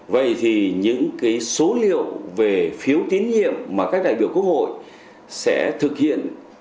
vậy thì những số liệu về phiếu tín nhiệm mà các đại biểu quốc hội sẽ thực hiện